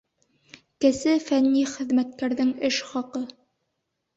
Кесе фәнни хеҙмәткәрҙең эш хаҡы..